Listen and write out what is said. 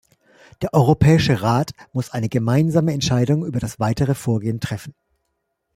Der Europäische Rat muss eine gemeinsame Entscheidung über das weitere Vorgehen treffen.